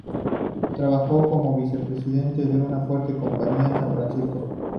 Trabajó como vicepresidente de una fuerte compañía en San Francisco.